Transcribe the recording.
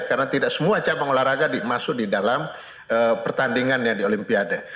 karena tidak semua cabang olahraga dimasuk di dalam pertandingannya di olimpiade